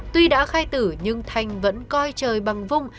tuy đã khai tử nhưng thành vẫn coi trời bằng vung